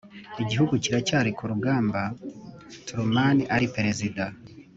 igihugu kiracyari ku rugamba, truman ari perezida